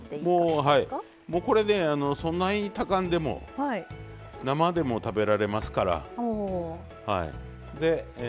もうこれでそない炊かんでも生でも食べられますから。